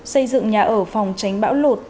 xây dựng nhà ở phòng tránh bão lột